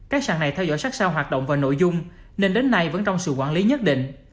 các sàn này theo dõi sát sao hoạt động và nội dung nên đến nay vẫn trong sự quản lý nhất định